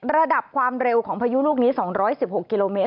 ระดับความเร็วของพายุลูกนี้๒๑๖กิโลเมตร